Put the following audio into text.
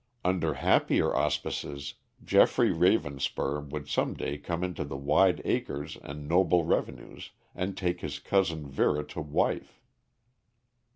Under happier auspices, Geoffrey Ravenspur would some day come into the wide acres and noble revenues, and take his cousin Vera to wife.